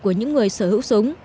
của những người sở hữu súng